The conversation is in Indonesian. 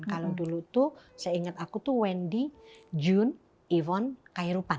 kalau dulu tuh saya ingat aku tuh wendy jun yvonne kairupan